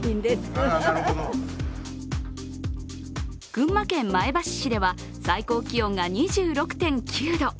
群馬県前橋市では最高気温が２６．９度。